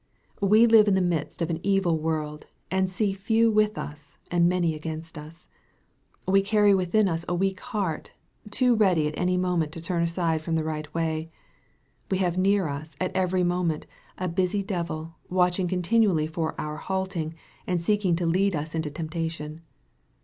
We live in the midst of an evil world, and see few with us, and many against us. We carry within us a weak heart, too ready at any moment to turn aside from the right way. We have near us, at every moment, a "busy devil, watching continually for our halting, and seeking to lead us into temptation.